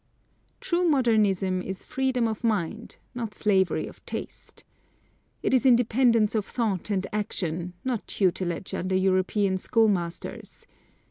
True modernism is freedom of mind, not slavery of taste. It is independence of thought and action, not tutelage under European schoolmasters.